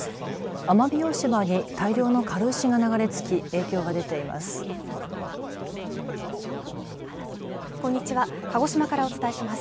奄美大島に大量の軽石が流れ着き影響が出ています。